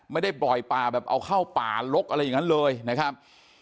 ไม่ได้ปล่อยป่าแบบเอาเข้าป่าลกอะไรอย่างนั้นเลยนะครับ